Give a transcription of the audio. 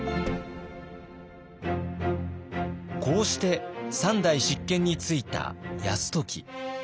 こうして３代執権に就いた泰時。